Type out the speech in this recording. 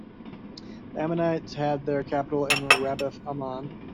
The Ammonites had their capital in Rabbath Ammon.